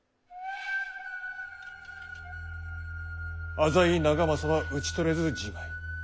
浅井長政は討ち取れずじまい。